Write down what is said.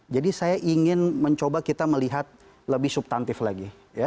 jadi saya ingin mencoba kita melihat lebih subtantif lagi